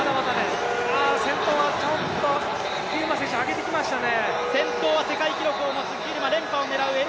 先頭はちょっと、ギルマ選手上げてきましたね。